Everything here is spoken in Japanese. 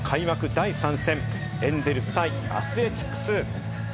第３戦、エンゼルス対アスレチックス。